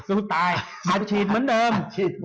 สู้ตายมาฉีดเหมือนเดิม